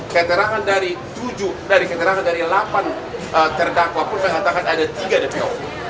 keterangan dari tujuh dari keterangan dari delapan terdakwa pun saya katakan ada tiga dpo